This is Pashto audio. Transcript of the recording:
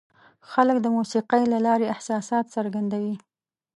خلک د موسیقۍ له لارې احساسات څرګندوي.